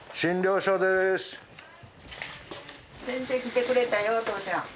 先生来てくれたよおとうちゃん。